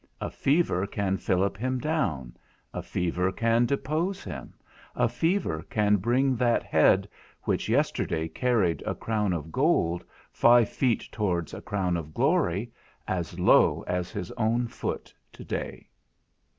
A fever can fillip him down, a fever can depose him; a fever can bring that head, which yesterday carried a crown of gold five feet towards a crown of glory, as low as his own foot to day.